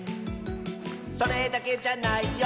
「それだけじゃないよ」